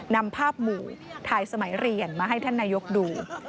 นำภาพหมู่ถ่ายสมัยเรียนมาให้ท่านนายกดู